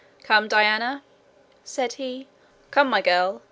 "Come, Diana," said he: "come, my girl!